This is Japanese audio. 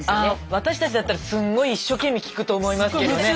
あ私たちだったらすんごい一生懸命聞くと思いますけどね。